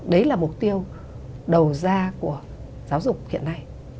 đấy là mục tiêu đầu ra của giáo dục hiện nay